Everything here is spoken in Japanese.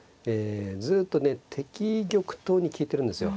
ずっとね敵玉頭に利いてるんですよ。